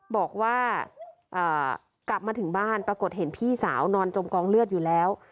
บอกว่ากลับมาถึงบ้านปรากฏเห็นพี่สาวนอนจมกองเลือดอยู่แล้ว